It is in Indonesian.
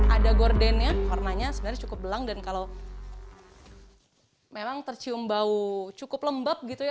ada gordennya warnanya sebenarnya cukup belang dan kalau memang tercium bau cukup lembab gitu ya